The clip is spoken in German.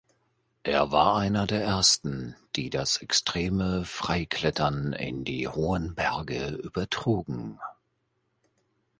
Er war einer der ersten, die das extreme Freiklettern in die hohen Berge übertrugen.